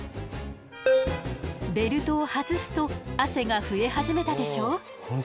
ベルトを外すと汗が増え始めたでしょ。